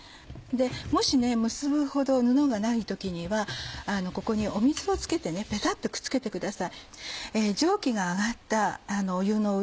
もし結ぶほど布がない時にはここに水を付けてペタっとくっつけてください。